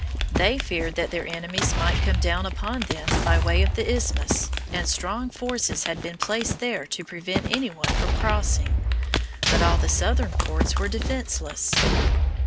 They feared that their enemies might come down upon them by way of the isthmus, and strong forces had been placed there to prevent any one from crossing; but all the southern ports were defenseless.